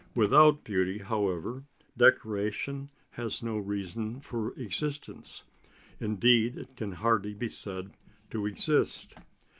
Without beauty, however, decoration has no reason for existence; indeed it can hardly be said to exist.